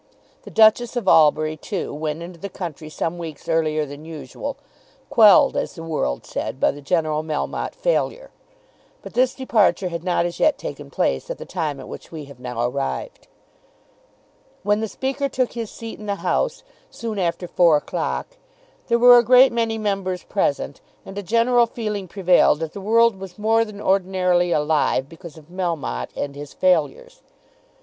The Duchess of Albury, too, went into the country some weeks earlier than usual, quelled, as the world said, by the general Melmotte failure. But this departure had not as yet taken place at the time at which we have now arrived. When the Speaker took his seat in the House, soon after four o'clock, there were a great many members present, and a general feeling prevailed that the world was more than ordinarily alive because of Melmotte and his failures.